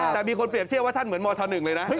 แต่มีคนเปรียบเชื่อว่าท่านเหมือนมธ๑เลยนะ